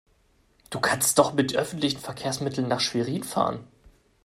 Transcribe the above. Du kannst doch mit öffentlichen Verkehrsmitteln nach Schwerin fahren